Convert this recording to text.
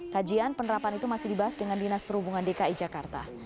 kajian penerapan itu masih dibahas dengan dinas perhubungan dki jakarta